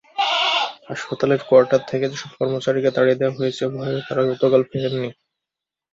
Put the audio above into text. হাসপাতালের কোয়ার্টার থেকে যেসব কর্মচারীকে তাড়িয়ে দেওয়া হয়েছে, ভয়ে তাঁরা গতকাল ফেরেননি।